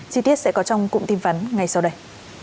chi tiết sẽ có trong cụm tin vắn ngay sau đây